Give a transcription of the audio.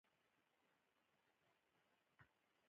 لمبې يې د دوبي لمر ته پاتېدې خو دوبی نه وو.